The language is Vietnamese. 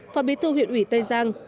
phó bí thư huyện ủy tây giang